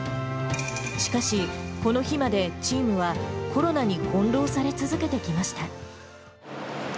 しかし、この日までチームはコロナに翻弄され続けてきました。